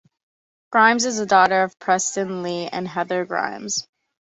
Grimes is the daughter of Preston Lee and Heather Grimes.